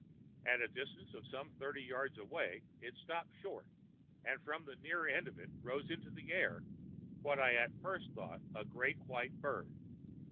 At a distance of some thirty yards away it stopped short, and from the near end of it rose into the air what I at first thought a great white bird.